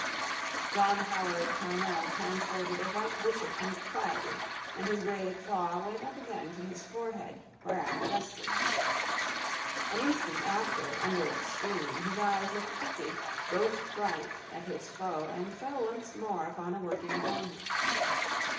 John Howard Parnell translated a white bishop quietly and his grey claw went up again to his forehead whereat it rested. An instant after, under its screen, his eyes looked quickly, ghostbright, at his foe and fell once more upon a working corner.